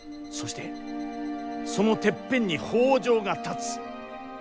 そしてそのてっぺんに北条が立つ。